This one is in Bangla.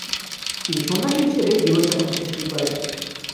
তিনি সন্ন্যাসী হিসেবে জীবন যাপন করতে শুরু করেন।